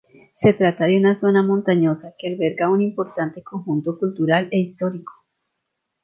Se trata de una zona montañosa que alberga un importante conjunto cultural e histórico.